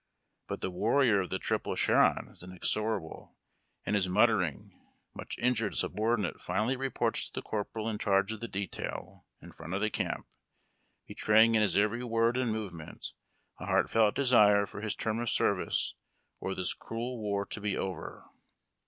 But the warrior of the triple chevron is inexorable, and his muttering, much injured subordinate finally reports to the corporal in charge of the detail in front of the camp, be traying in his every word and movement a heart felt desire for his term of service or this cruel war to be over.